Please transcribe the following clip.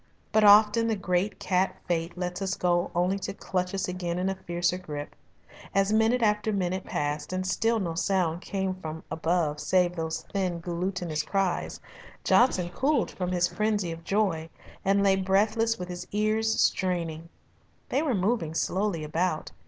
But often the great cat Fate lets us go only to clutch us again in a fiercer grip. As minute after minute passed and still no sound came from above save those thin, glutinous cries, Johnson cooled from his frenzy of joy, and lay breathless with his ears straining. They were moving slowly about.